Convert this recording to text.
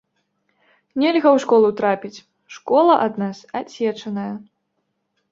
Нельга ў школу трапіць, школа ад нас адсечаная.